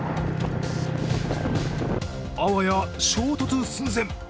あわや衝突寸前。